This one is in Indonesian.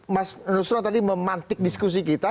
mas nusron tadi memantik diskusi kita